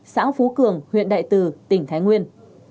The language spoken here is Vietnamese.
xã phú cường huyện đại từ tỉnh thái nguyên